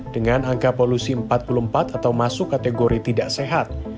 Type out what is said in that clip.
dengan angka polusi empat puluh empat atau masuk kategori tidak sehat